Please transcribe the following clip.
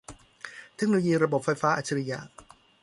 เทคโนโลยีระบบไฟฟ้าอัจฉริยะ